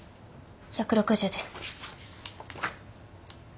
１６０です。